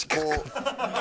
ハハハハ！